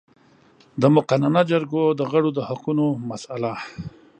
د مقننه جرګو د غړو د حقونو مسئله